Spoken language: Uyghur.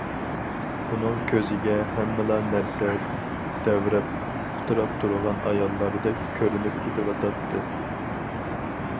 ئۇنىڭ كۆزىگە ھەممىلا نەرسە دەۋرەپ، قۇتراپ تۇرغان ئاياللاردەك كۆرۈنۈپ كېتىۋاتاتتى.